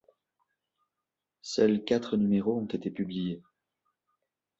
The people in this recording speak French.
Seuls quatre numéros ont été publiés.